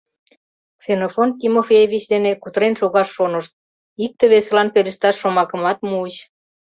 Ксенофонт Тимофеевич дене кутырен шогаш шонышт, икте-весылан пелешташ шомакымат муыч.